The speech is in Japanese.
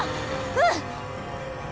うん！